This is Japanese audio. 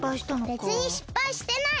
べつにしっぱいしてない！